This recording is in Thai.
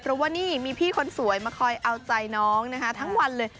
เพราะว่านี่มีพี่คนสวยมาคอยเอาใจน้องนะคะทั้งวันเลย